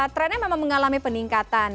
trendnya memang mengalami peningkatan